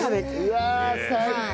うわー最高！